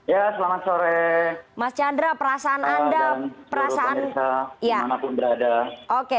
ya selamat sore